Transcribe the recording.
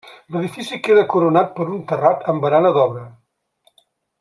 L'edifici queda coronat per un terrat amb barana d'obra.